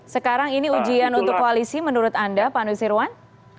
sekarang ini ujian untuk koalisi menurut anda pak nusirwan